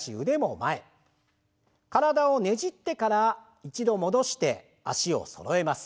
体をねじってから一度戻して脚をそろえます。